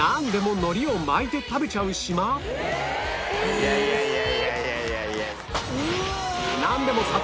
いやいやいやいや。